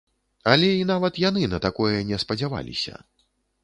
Але і нават яны на такое не спадзяваліся.